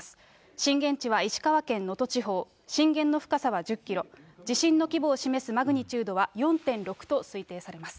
震源地は石川県能登地方、震源の深さは１０キロ、地震の規模を示すマグニチュードは４．６と推定されます。